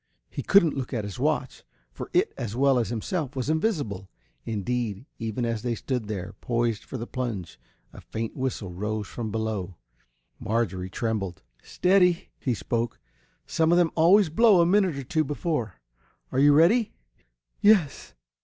He couldn't look at his watch, for it as well as himself was invisible. Indeed, even as they stood there, poised for the plunge, a faint whistle rose from below. Marjorie trembled. "Steady!" he spoke. "Some of them always blow a minute or two before. Are you ready?" "Yes!"